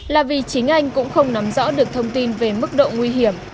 là vì chính anh cũng không nắm rõ được thông tin về mức độ nguy hiểm